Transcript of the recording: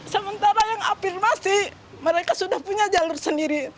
sementara yang afirmasi mereka sudah punya jalur sendiri